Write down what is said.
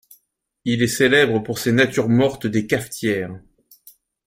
Il est célèbre pour ses natures mortes des cafetières.